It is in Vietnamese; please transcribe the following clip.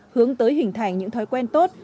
hướng tới hình thành những thói quen tốt